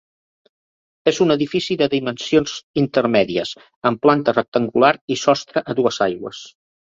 És un edifici de dimensions intermèdies, amb planta rectangular i sostre a dues aigües.